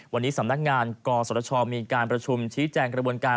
วันนี้สำนักงานกศชมีการประชุมชี้แจงกระบวนการ